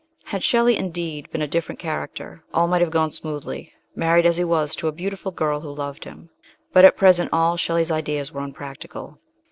Had Shelley, indeed, been a different character, all might have gone smoothly, married as he was to a beautiful girl who loved him ; but at pre sent all Shelley's ideas were unpractical.